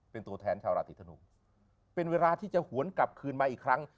เป็นตัวแทนชาวราศีธนูเป็นเวลาที่จะหวนกลับคืนมาอีกครั้ง